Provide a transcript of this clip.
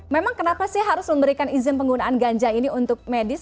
memang kenapa sih harus memberikan izin penggunaan ganja ini untuk medis